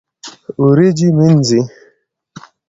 وريجي مينځي